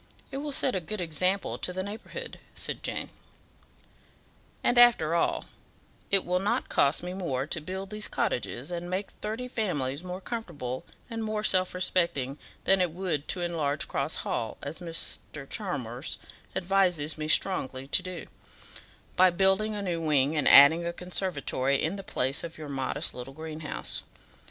It will set a good example to the neighbourhood," said Jane. "And, after all, it will not cost me more to build these cottages, and make thirty families more comfortable and more self respecting, than it would to enlarge Cross Hall, as Mr. Chalmers advises me strongly to do by building a new wing and adding a conservatory in the place of your modest little greenhouse.